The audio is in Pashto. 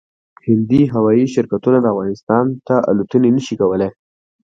هندي هوايي شرکتونه افغانستان ته الوتنې نشي کولای